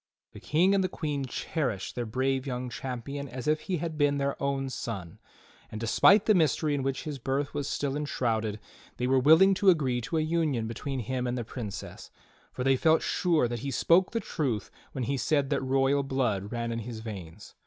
The King and the Queen cher ished their brave young champion as if he had been their own son, and despite the mystery in which his birth was still enshrouded, they were willing to agree to a union between him and the 'Princess, for they felt sure that he spoke the truth when he said that royal blood ran in his veins.